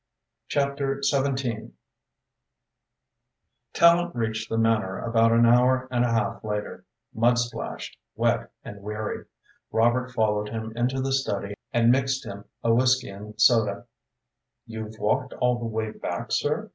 CHAPTER III Tallente reached the Manor about an hour and a half later, mud splashed, wet and weary. Robert followed him into the study and mixed him a whisky and soda. "You've walked all the way back, sir?"